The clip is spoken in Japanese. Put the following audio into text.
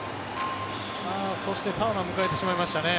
そして、ターナーを迎えてしまいましたね。